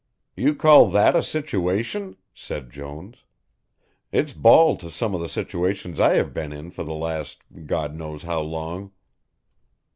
"You call that a situation," said Jones. "It's bald to some of the situations I have been in for the last God knows how long."